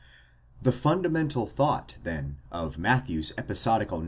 The fundamental thought, then, of Matthew's episodical.